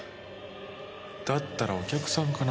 だったらお客さんかな。